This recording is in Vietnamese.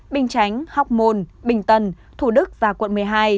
bình chánh học môn bình tân thủ đức và quận một mươi hai